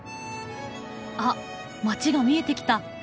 あっ街が見えてきた。